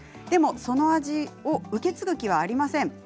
でもその味を受け継ぐ気はありません。